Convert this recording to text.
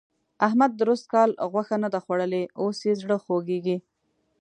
احمد درست کال غوښه نه ده خوړلې؛ اوس يې زړه خوږېږي.